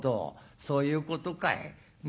そういうことかい。